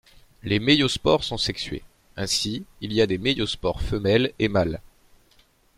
Les méiospores sont sexuées, ainsi, il y a des méiospores femelles et mâles.